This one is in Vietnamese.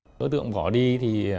sự kiện sau đó nhanh chóng